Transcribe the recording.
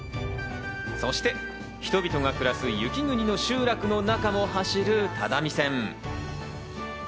そして、人々が暮らす雪国の集落を走る只見線。